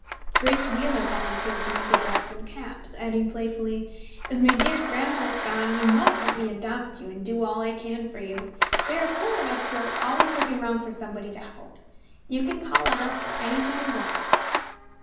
Grace Wheeler volunteered to make a dress and caps, adding, playfully, "As my dear grandma is gone, you must let me adopt you and do all I can for you. There are four of us girls always looking round for somebody to help. You can call on us for anything you want."